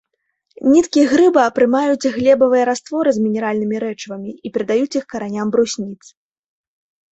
Ніткі грыба прымаюць глебавыя растворы з мінеральнымі рэчывамі і перадаюць іх караням брусніц.